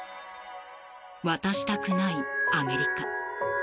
渡したくないアメリカ。